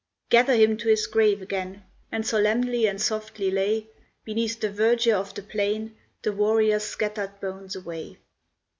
Gather him to his grave again, And solemnly and softly lay Beneath the verdure of the plain, The warrior's scattered bones away.